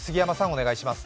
お願いします。